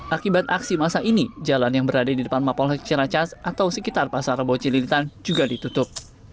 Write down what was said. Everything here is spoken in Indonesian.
akibat aksi masa ini jalan yang berada di depan mapolsek ciracas atau sekitar pasar bocilitan juga ditutup